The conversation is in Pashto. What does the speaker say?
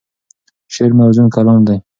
شعر موزون کلام دی.